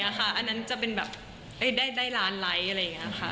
อันนั้นจะเป็นแบบได้ล้านไลค์อะไรอย่างนี้ค่ะ